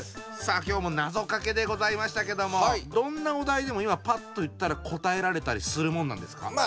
さあ今日もなぞかけでございましたけどもどんなお題でも今パッと言ったら答えられたりするもんなんですか？